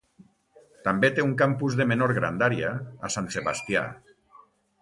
També té un campus de menor grandària a Sant Sebastià.